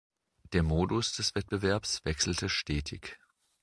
Der Modus des Wettbewerbs wechselte stetig.